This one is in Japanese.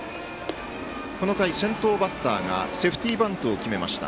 この回、先頭バッターがセーフティーバントを決めました。